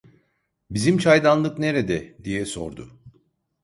Bizim çaydanlık nerede? diye sordu.